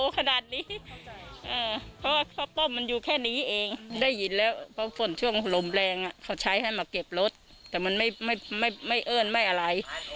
เขาใช้ให้มาเก็บรถแต่มันไม่เอิ้นไม่อะไร